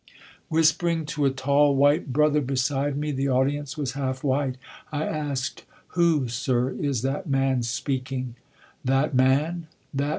Whispering to a tall white brother beside me (the audience was half white) I asked: "Who, sir, is that man speaking?" "That man?